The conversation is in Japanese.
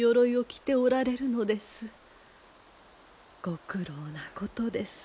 ご苦労なことです。